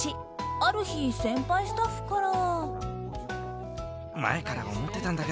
ある日、先輩スタッフから。